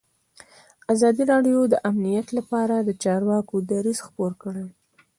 ازادي راډیو د امنیت لپاره د چارواکو دریځ خپور کړی.